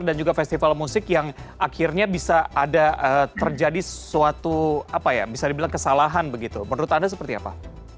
dan juga festival musik yang akhirnya bisa terjadi suatu kesalahan menurut anda